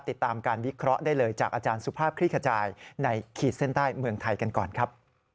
ติดตามการวิเคราะห์ได้เลยจากอาจารย์สุภาพคลี่ขจายในขีดเส้นใต้เมืองไทยกันก่อนครับ